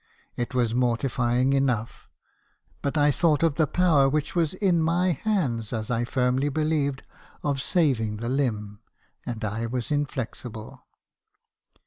It was mortifying enough; but I thought of the power which was in my hands, as I firmly be lieved , of saving the limb ; and I was inflexible.